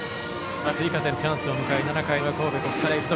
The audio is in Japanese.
さらに追加点のチャンスを迎えている７回の裏、神戸国際大付属。